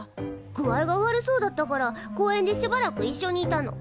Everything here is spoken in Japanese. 具合が悪そうだったから公園でしばらくいっしょにいたの。